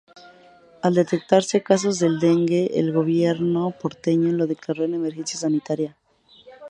Al detectarse casos de dengue, el gobierno porteño lo declaró en emergencia sanitaria.